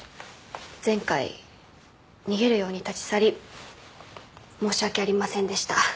前回逃げるように立ち去り申し訳ありませんでした。